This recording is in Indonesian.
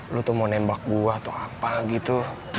lo tuh mau nembak gue atau apa gitu